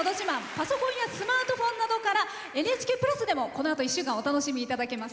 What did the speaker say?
パソコンやスマートフォンなどから「ＮＨＫプラス」でもこのあと１週間お楽しみいただけます。